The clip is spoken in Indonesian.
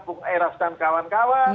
bung eras dan kawan kawan